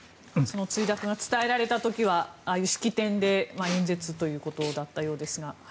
墜落が伝えられた時はああいう式典で演説ということだったようですが。